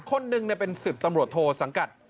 คนหนึ่งเป็น๑๐ตำรวจโทสังกัด